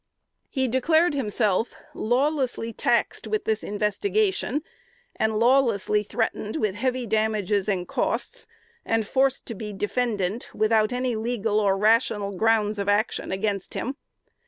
He declared himself "lawlessly taxed with this investigation, and lawlessly threatened with heavy damages and costs, and forced to be defendant, without any legal or rational grounds of action against him.